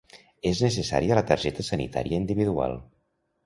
És necessària la targeta sanitària individual.